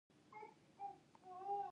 آیا هر پښتون خپل اوه پيښته نه پیژني؟